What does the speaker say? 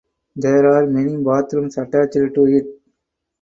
There are many bathrooms attached to it.